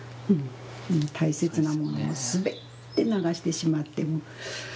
大切なものはすべて流してしまってもう。